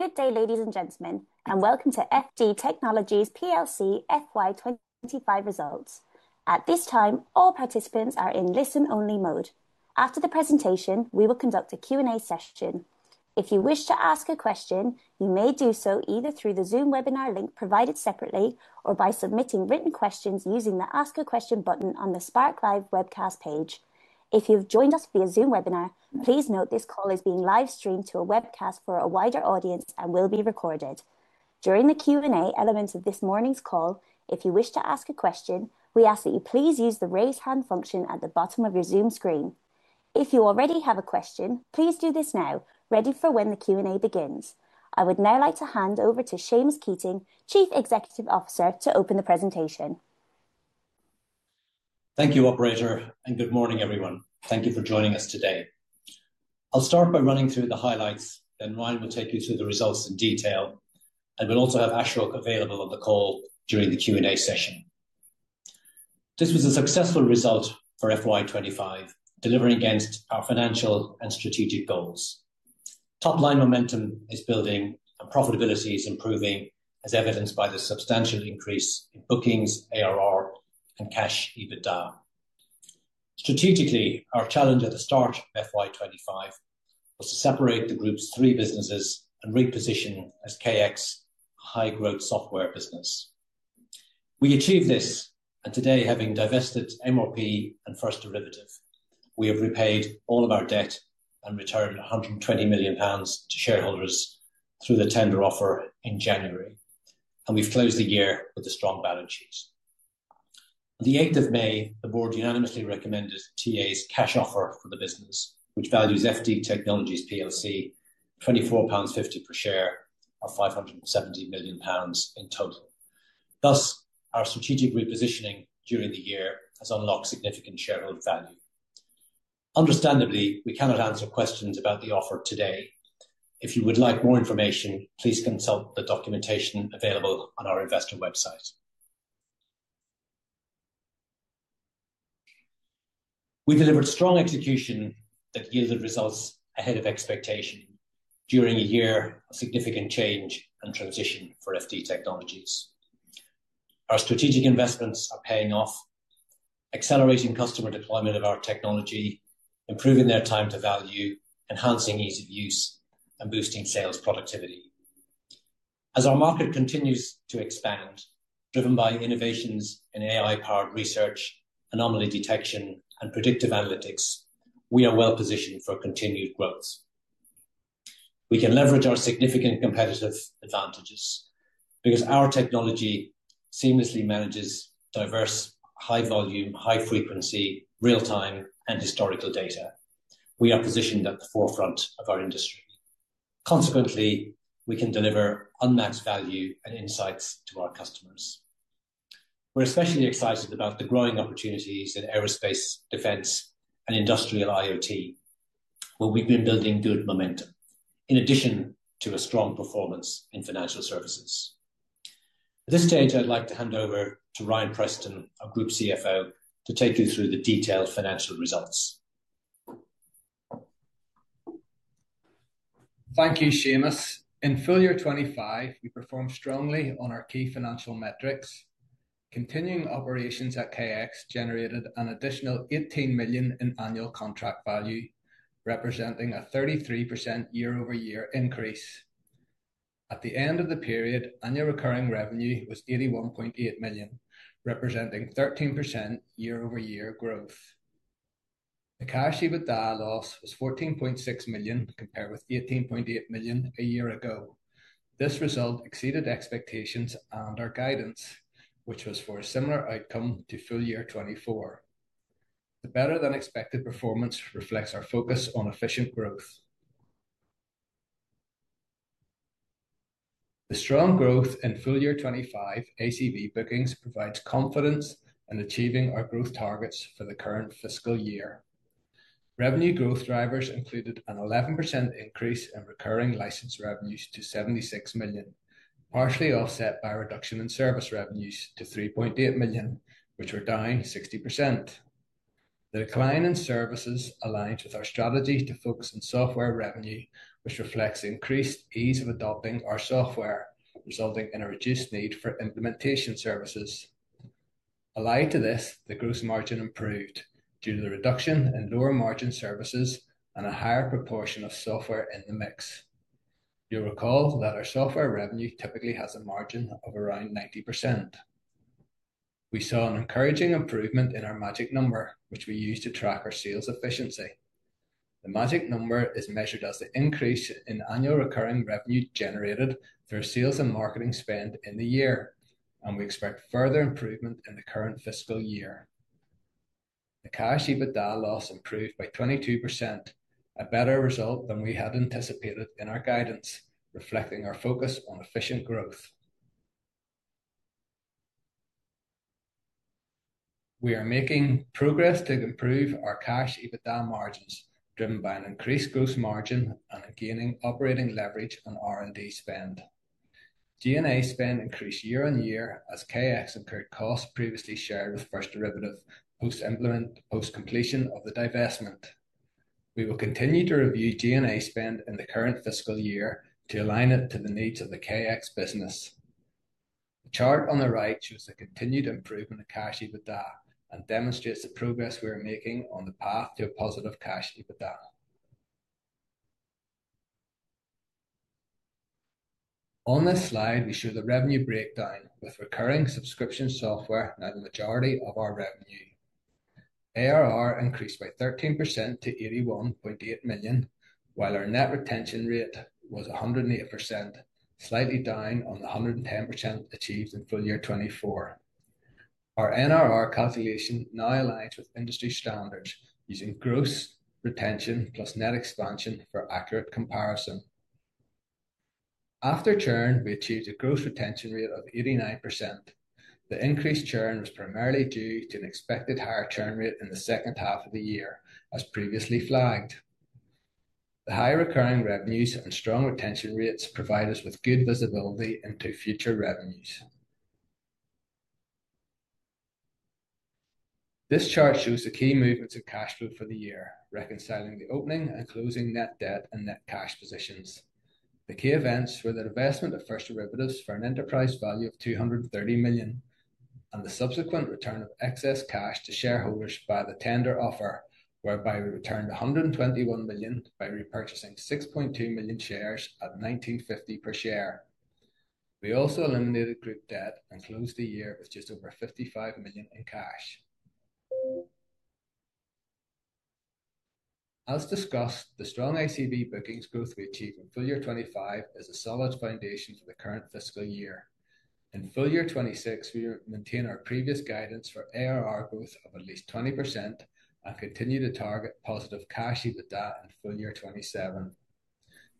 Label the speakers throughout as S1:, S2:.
S1: Good day, ladies and gentlemen, and welcome to FD Technologies FY25 results. At this time, all participants are in listen-only mode. After the presentation, we will conduct a Q&A session. If you wish to ask a question, you may do so either through the Zoom webinar link provided separately or by submitting written questions using the Ask a Question button on the Spark Live webcast page. If you have joined us via Zoom webinar, please note this call is being live-streamed to a webcast for a wider audience and will be recorded. During the Q&A elements of this morning's call, if you wish to ask a question, we ask that you please use the raise hand function at the bottom of your Zoom screen. If you already have a question, please do this now, ready for when the Q&A begins. I would now like to hand over to Seamus Keating, Chief Executive Officer, to open the presentation.
S2: Thank you, Operator, and good morning, everyone. Thank you for joining us today. I'll start by running through the highlights, then Ryan will take you through the results in detail, and we'll also have Ashok available on the call during the Q&A session. This was a successful result for FY2025, delivering against our financial and strategic goals. Top-line momentum is building, and profitability is improving, as evidenced by the substantial increase in bookings, ARR, and cash EBITDA. Strategically, our challenge at the start of FY2025 was to separate the group's three businesses and reposition as KX, a high-growth software business. We achieved this, and today, having divested MRP and First Derivative, we have repaid all of our debt and returned 120 million pounds to shareholders through the tender offer in January, and we've closed the year with a strong balance sheet. On the 8th of May, the board unanimously recommended TA's cash offer for the business, which values FD Technologies at 24.50 per share or 570 million pounds in total. Thus, our strategic repositioning during the year has unlocked significant shareholder value. Understandably, we cannot answer questions about the offer today. If you would like more information, please consult the documentation available on our investor website. We delivered strong execution that yielded results ahead of expectation during a year of significant change and transition for FD Technologies. Our strategic investments are paying off, accelerating customer deployment of our technology, improving their time to value, enhancing ease of use, and boosting sales productivity. As our market continues to expand, driven by innovations in AI-powered research, anomaly detection, and predictive analytics, we are well positioned for continued growth. We can leverage our significant competitive advantages because our technology seamlessly manages diverse high-volume, high-frequency, real-time, and historical data. We are positioned at the forefront of our industry. Consequently, we can deliver unmatched value and insights to our customers. We're especially excited about the growing opportunities in aerospace, defense, and industrial IoT, where we've been building good momentum, in addition to a strong performance in financial services. At this stage, I'd like to hand over to Ryan Preston, our Group CFO, to take you through the detailed financial results.
S3: Thank you, Seamus. In full year 2025, we performed strongly on our key financial metrics. Continuing operations at KX generated an additional 18 million in annual contract value, representing a 33% year-over-year increase. At the end of the period, annual recurring revenue was 81.8 million, representing 13% year-over-year growth. The cash EBITDA loss was 14.6 million compared with 18.8 million a year ago. This result exceeded expectations and our guidance, which was for a similar outcome to full year 2024. The better-than-expected performance reflects our focus on efficient growth. The strong growth in full year 2025 ACV bookings provides confidence in achieving our growth targets for the current fiscal year. Revenue growth drivers included an 11% increase in recurring license revenues to 76 million, partially offset by a reduction in service revenues to 3.8 million, which were down 60%. The decline in services aligns with our strategy to focus on software revenue, which reflects increased ease of adopting our software, resulting in a reduced need for implementation services. Allied to this, the gross margin improved due to the reduction in lower-margin services and a higher proportion of software in the mix. You'll recall that our software revenue typically has a margin of around 90%. We saw an encouraging improvement in our magic number, which we use to track our sales efficiency. The magic number is measured as the increase in annual recurring revenue generated through sales and marketing spend in the year, and we expect further improvement in the current fiscal year. The cash EBITDA loss improved by 22%, a better result than we had anticipated in our guidance, reflecting our focus on efficient growth. We are making progress to improve our cash EBITDA margins, driven by an increased gross margin and gaining operating leverage on R&D spend. G&A spend increased year-on-year as KX incurred costs previously shared with First Derivative post-implement, post-completion of the divestment. We will continue to review G&A spend in the current fiscal year to align it to the needs of the KX business. The chart on the right shows the continued improvement of cash EBITDA and demonstrates the progress we are making on the path to a positive cash EBITDA. On this slide, we show the revenue breakdown with recurring subscription software now the majority of our revenue. ARR increased by 13% to 81.8 million, while our net retention rate was 108%, slightly down on the 110% achieved in full year 2024. Our NRR calculation now aligns with industry standards using gross retention plus net expansion for accurate comparison. After churn, we achieved a gross retention rate of 89%. The increased churn was primarily due to an expected higher churn rate in the second half of the year, as previously flagged. The high recurring revenues and strong retention rates provide us with good visibility into future revenues. This chart shows the key movements in cash flow for the year, reconciling the opening and closing net debt and net cash positions. The key events were the investment of First Derivative for an enterprise value of 230 million and the subsequent return of excess cash to shareholders via the tender offer, whereby we returned 121 million by repurchasing 6.2 million shares at 19.50 per share. We also eliminated group debt and closed the year with just over 55 million in cash. As discussed, the strong ACV bookings growth we achieved in full year 2025 is a solid foundation for the current fiscal year. In full year 2026, we will maintain our previous guidance for ARR growth of at least 20% and continue to target positive cash EBITDA in full year 2027.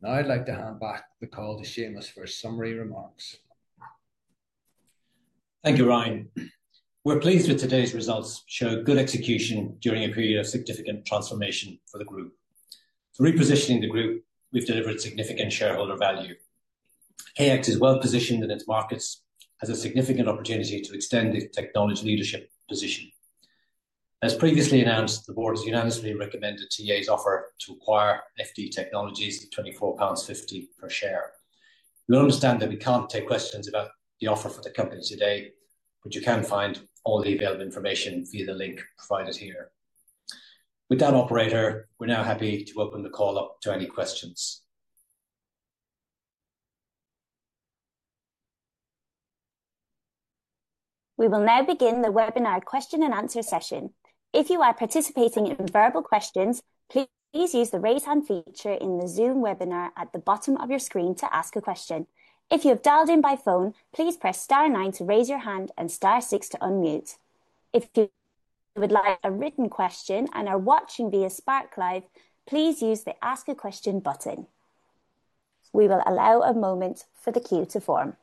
S3: Now I'd like to hand back the call to Seamus for summary remarks.
S2: Thank you, Ryan. We're pleased with today's results showing good execution during a period of significant transformation for the group. Through repositioning the group, we've delivered significant shareholder value. KX is well positioned in its markets as a significant opportunity to extend its technology leadership position. As previously announced, the board has unanimously recommended TA's offer to acquire FD Technologies at 24.50 per share. We understand that we can't take questions about the offer for the company today, but you can find all the available information via the link provided here. With that, Operator, we're now happy to open the call up to any questions.
S1: We will now begin the webinar question and answer session. If you are participating in verbal questions, please use the raise hand feature in the Zoom webinar at the bottom of your screen to ask a question. If you have dialed in by phone, please press star nine to raise your hand and star six to unmute. If you would like a written question and are watching via Spark Live, please use the ask a question button. We will allow a moment for the queue to form.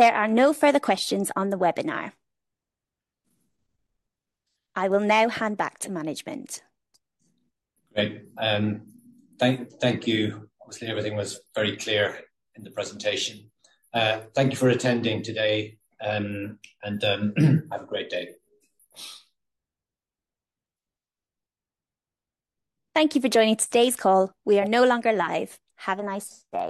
S1: There are no further questions on the webinar. I will now hand back to management.
S2: Great. Thank you. Obviously, everything was very clear in the presentation. Thank you for attending today, and have a great day.
S1: Thank you for joining today's call. We are no longer live. Have a nice day.